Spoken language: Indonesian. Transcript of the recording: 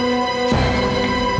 gue mau pergi ke rumah